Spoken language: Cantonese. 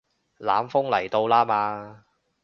冷鋒嚟到啦嘛